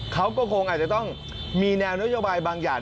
เขาก็คงอาจจะต้องมีแนวนโยบายบางอย่าง